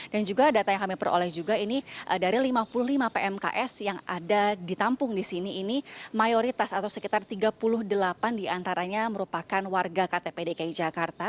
dan juga data yang kami peroleh juga ini dari lima puluh lima pmks yang ada ditampung di sini ini mayoritas atau sekitar tiga puluh delapan diantaranya merupakan warga ktp dki jakarta